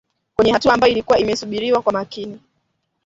Kwenye hatua ambayo ilikuwa imesubiriwa kwa makini